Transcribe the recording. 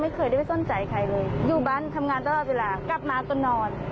เคยได้ไปสนใจใครเลยอยู่บ้านทำงานตลอดเวลากลับมาก็นอน